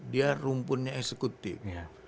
dia rumpunnya eksekutif